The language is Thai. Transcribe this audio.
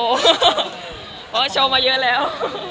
เพราะว่าโชว์มาเยอะแล้ว